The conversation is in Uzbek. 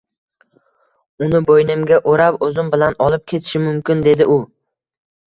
uni bo‘ynimga o‘rab o‘zim bilan olib ketishim mumkin,- dedi u.